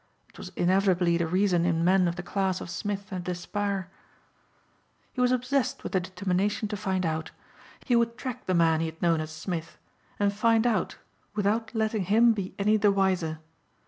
It was inevitably the reason in men of the class of Smith and Despard. He was obsessed with the determination to find out. He would track the man he had known as Smith and find out without letting him be any the wiser.